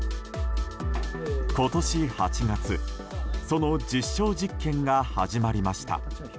今年８月その実証実験が始まりました。